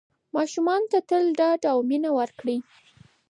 ماشومانو ته تل ډاډ او مینه ورکړئ.